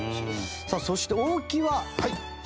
さあそして大木は萩？